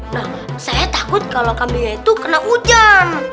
nah saya takut kalau kambing itu kena hujan